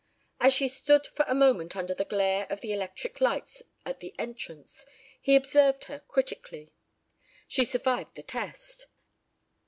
As she stood for a moment under the glare of the electric lights at the entrance he observed her critically. She survived the test.